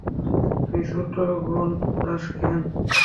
তুই ছোটোবোন চাস কেন?